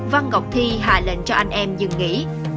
văn ngọc thi hà lệnh cho anh em dừng nghỉ